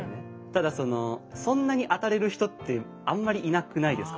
ただそのそんなに当たれる人ってあんまりいなくないですか？